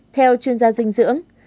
theo chuyên gia dinh dưỡng